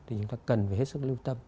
thì chúng ta cần phải hết sức lưu tâm